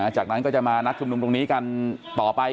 จากนั้นก็จะมานัดชุมนุมตรงนี้กันต่อไป